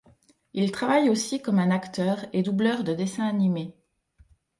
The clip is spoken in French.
Il travaille aussi comme un acteur et doubleur de dessins animés.